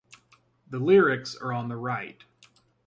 The lyrics are on the right.